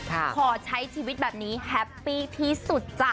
ขอใช้ชีวิตแบบนี้แฮปปี้ที่สุดจ้ะ